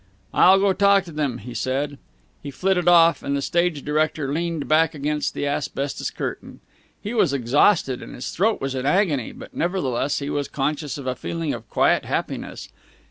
"I'll go and talk to them," he said. He flitted off, and the stage director leaned back against the asbestos curtain. He was exhausted, and his throat was in agony, but nevertheless he was conscious of a feeling of quiet happiness.